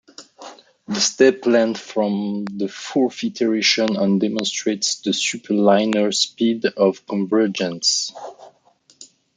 The step length from the fourth iteration on demonstrates the superlinear speed of convergence.